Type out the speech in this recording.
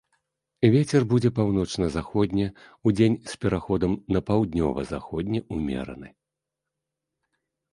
Вецер будзе паўночна-заходні, удзень з пераходам на паўднёва-заходні ўмераны.